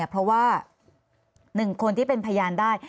เพราะว่า๑คนที่เป็นพยานได้